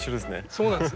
そうなんです。